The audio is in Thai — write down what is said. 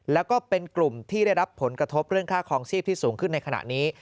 แล้วก็เป็นกลุ่มที่ได้รับผลกระทบเรื่องค่าคลองชีพที่สูงขึ้นในขณะนี้